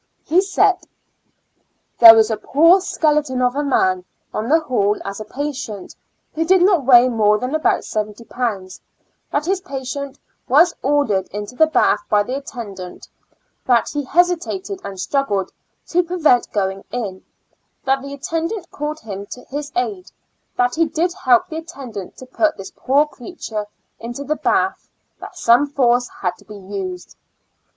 He said :" There was a poor skeleton of a man on the hall as a patient, who did not weigh more than about seventy pounds; that this patient was ordered into the bath by the attendant; that he hesitated, and struggled to* prevent going in; that the attendant called him to his aid; that he did help the attendant to put this poor creature into the bath; that some force had to be used."